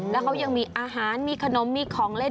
แล้วเขายังมีอาหารมีขนมมีของเล่น